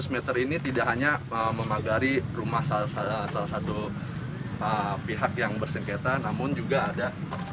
m ini tidak hanya memagari rumah salah salah salah satu pihak yang bersengketa namun juga ada